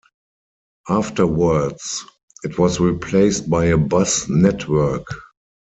Afterwards it was replaced by a bus network.